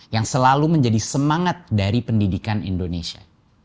yang selalu menjadi semangat dari pendidikan indonesia